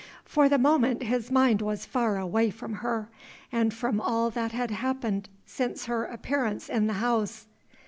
For the moment his mind was far away from her, and from all that had happened since her appearance in the house.